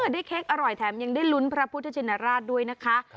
เค้กอร่อยแถมยังได้ลุ้นพระพุทธชินราชด้วยนะคะ